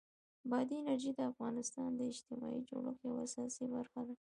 بادي انرژي د افغانستان د اجتماعي جوړښت یوه اساسي برخه ده.